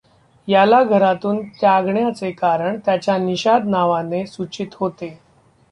याला घरातून त्यागण्याचे कारण त्याच्या निषाद नावाने सुचित होते.